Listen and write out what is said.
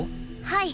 はい。